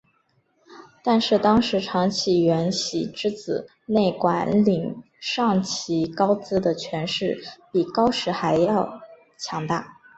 但是当时长崎圆喜之子内管领长崎高资的权势比高时还要强大。